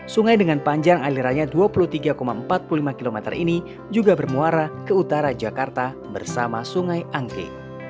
sungai dengan panjang alirannya dua puluh tiga empat puluh lima km ini juga bermuara ke utara jakarta bersama sungai angke